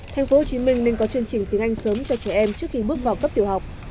thành phố hồ chí minh nên có chương trình tiếng anh sớm cho trẻ em trước khi bước vào cấp tiểu học